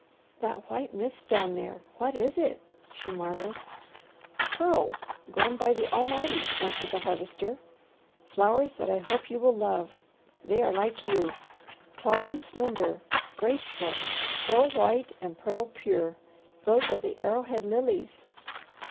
"That white mist down there, what is it?" she marvelled. "Pearls grown by the Almighty," answered the Harvester. "Flowers that I hope you will love. They are like you. Tall and slender, graceful, pearl white and pearl pure those are the arrowhead Lilies."